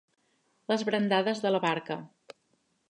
Les brandades de la barca.